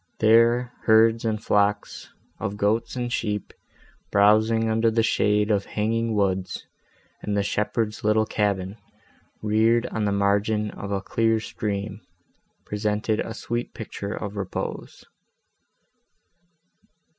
There herds and flocks of goats and sheep, browsing under the shade of hanging woods, and the shepherd's little cabin, reared on the margin of a clear stream, presented a sweet picture of repose.